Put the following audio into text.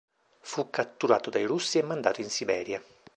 Fu catturato dai Russi e mandato in Siberia.